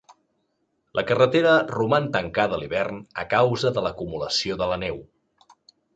La carretera roman tancada a l'hivern a causa de l'acumulació de la neu.